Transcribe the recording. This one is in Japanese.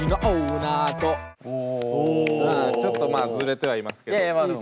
まあちょっとずれてはいますけど。